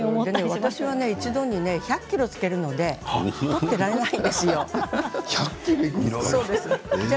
私は一度に１００ｋｇ漬けますので取っていられないんですよ。